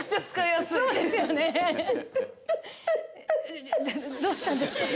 などうしたんですか？